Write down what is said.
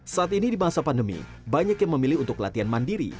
saat ini di masa pandemi banyak yang memilih untuk latihan mandiri